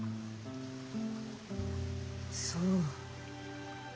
そう。